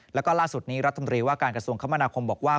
และก็ล่าสุดนี้รัฐธรรมดีว่าการกระทรวงคมบอกว่า